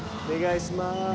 お願いします。